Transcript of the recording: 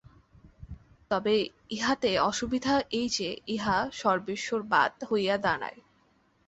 তবে ইহাতে অসুবিধা এই যে, ইহা সর্বেশ্বরবাদ হইয়া দাঁড়ায়।